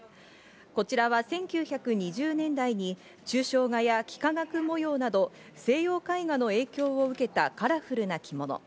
こちらは１９２０年代に抽象画や幾何学模様など、西洋絵画の影響を受けたカラフルな着物。